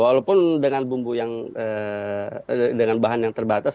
walaupun dengan bahan yang terbatas